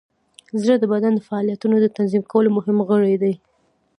زړه د بدن د فعالیتونو د تنظیم کولو مهم غړی دی.